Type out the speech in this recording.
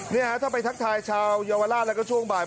นี่ฮะถ้าไปทักทายชาวเยาวราชแล้วก็ช่วงบ่าย